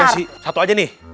iya sih satu aja nih